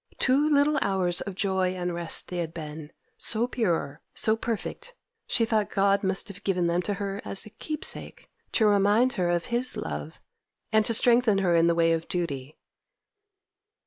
Two little hours of joy and rest they had been, so pure, so perfect, she thought God must have given them to her as a keepsake, to remind her of His love, and to strengthen her in the way of duty.